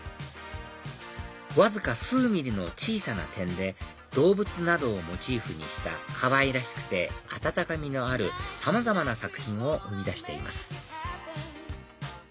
わずか数ｍｍの小さな点で動物などをモチーフにしたかわいらしくて温かみのあるさまざまな作品を生み出しています